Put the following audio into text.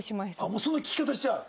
もうそんな聞き方しちゃう？